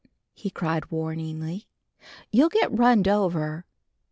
he called warningly. "You'll get runned over."